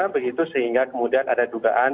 begitu sehingga kemudian ada dugaan